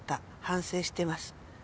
反省してます」